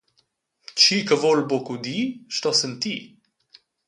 Tgi che vul buca udir, sto sentir.